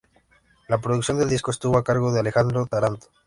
La producción del disco estuvo a cargo de Alejandro Taranto.